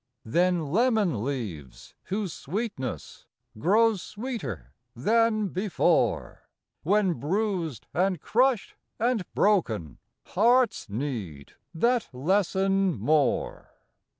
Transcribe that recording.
Then lemon leaves, whose sweetness Grows sweeter than before When bruised, and crushed, and broken, —Hearts need that lesson more.